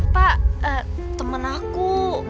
pak temen aku